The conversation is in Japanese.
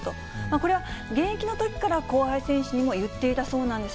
これは現役のときから後輩選手にも言っていたそうなんです。